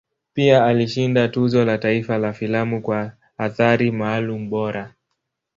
Pia alishinda Tuzo la Taifa la Filamu kwa Athari Maalum Bora.